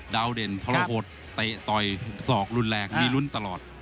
ดาวเด่นพระโหดต่อยสอกรุนแรงมีรุนตลอด